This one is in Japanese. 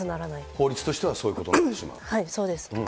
法律としてはそういうことにそうです。